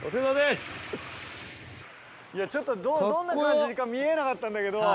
いやちょっとどんな感じか見えなかったんだけど。